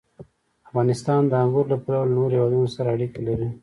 افغانستان د انګورو له پلوه له نورو هېوادونو سره اړیکې لري.